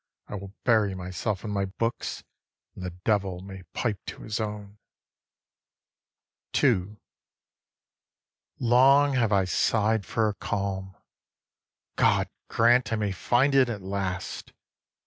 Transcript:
I will bury myself in my books, and the Devil may pipe to his own. II. Long have I sigh'd for a calm: God grant I may find it at last!